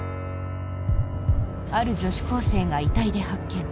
ある女子高生が遺体で発見。